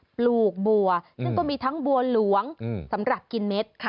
ปลูกบัวซึ่งก็มีทั้งบัวหลวงสำหรับกินเม็ดค่ะ